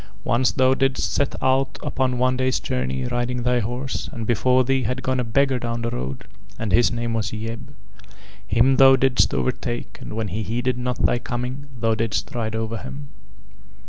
Once thou didst set out upon a one day's journey riding thy horse and before thee had gone a beggar down the road, and his name was Yeb. Him thou didst overtake and when he heeded not thy coming thou didst ride over him.